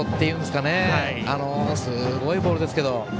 すごいボールですけど。